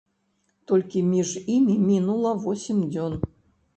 Толькі між імі мінула восем дзён.